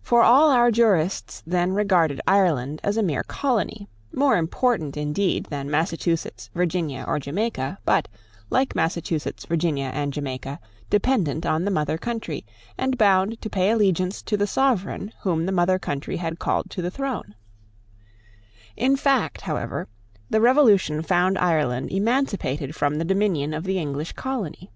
For all our jurists then regarded Ireland as a mere colony, more important indeed than Massachusetts, Virginia, or Jamaica, but, like Massachusetts, Virginia, and Jamaica, dependent on the mother country, and bound to pay allegiance to the Sovereign whom the mother country had called to the throne, In fact, however, the Revolution found Ireland emancipated from the dominion of the English colony.